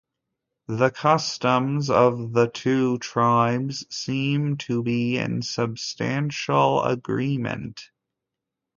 The customs of the two tribes seem to be in substantial agreement.